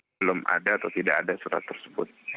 belum ada atau tidak ada surat tersebut